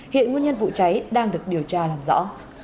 hiện nguyên nhân vụ cháy đang được điều tra làm rõ